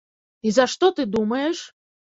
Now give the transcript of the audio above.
І за што ты думаеш?